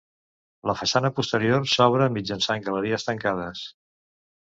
La façana posterior s'obre mitjançant galeries tancades.